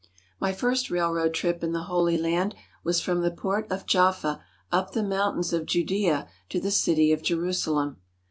My first railroad trip in the Holy Land was from the port of Jaffa up the mountains of Judea to the city of Jerusalem.